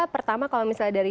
pertama kalau misalnya dari